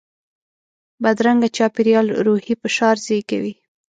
بدرنګه چاپېریال روحي فشار زیږوي